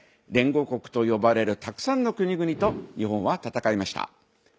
連合国と呼ばれるたくさんの国々と日本は戦いました。